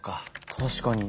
確かに。